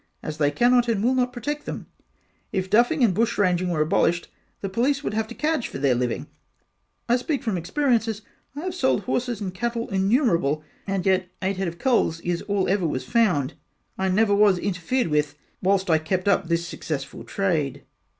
As they can not and will not protect them if duffing and bushranging were abolished the police would have to cadge for their living I speak from experience as I have sold horses and cattle innumerable and yet eight head of the culls is all ever was found I never was interfered with whilst I kept up this successful trade.